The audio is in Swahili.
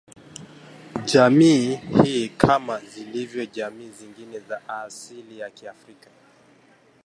Jamii hii kama zilivyo jamii zingine za asili ya Kiafrika